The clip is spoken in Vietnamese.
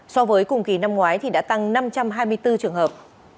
so với cùng kỳ năm ngoái thì đã tăng năm trăm hai mươi bốn trường hợp